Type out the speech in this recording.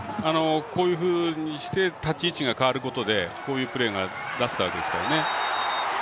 こういうふうにして立ち位置が変わることでこういうプレーが出せたわけですからね。